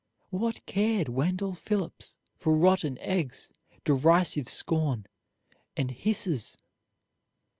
What cared Wendell Phillips for rotten eggs, derisive scorn, and hisses?